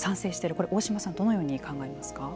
これ、大島さんはどのように考えますか。